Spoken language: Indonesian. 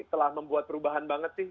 telah membuat perubahan banget sih